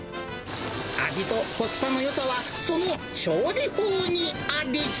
味とコスパのよさは、その調理法にあり。